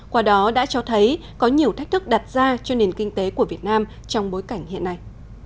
qua đó đã cho thấy có nhiều thách thức đặt ra cho nền kinh tế của việt nam trong bối cảnh hiện nay